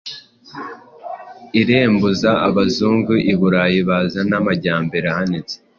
Irembuza abazungu I Burayi Bazana amajyambere ahanitse